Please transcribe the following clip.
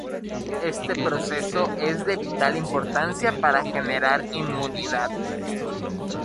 Este proceso es de vital importancia para generar inmunidad.